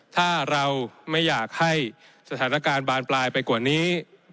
ถ้าเราไม่อยากให้สถานการณ์บานปลายไปกว่านี้